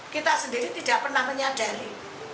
kita sendiri tidak pernah menyadari